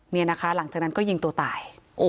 นี่นะคะหลังจากนั้นก็ยิงตัวตาย